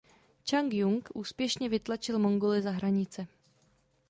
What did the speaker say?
Čang Jung úspěšně vytlačil Mongoly za hranice.